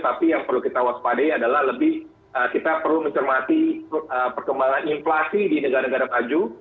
tapi yang perlu kita waspadai adalah lebih kita perlu mencermati perkembangan inflasi di negara negara maju